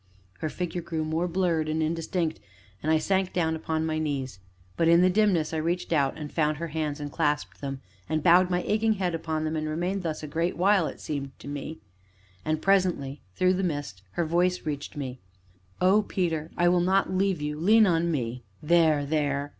Her figure grew more blurred and indistinct, and I sank down upon my knees; but in the dimness I reached out and found her hands, and clasped them, and bowed my aching head upon them, and remained thus a great while, as it seemed to me. And presently, through the mist, her voice reached me. "Oh, Peter! I will not leave you lean on me there there!"